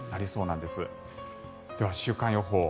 では、週間予報。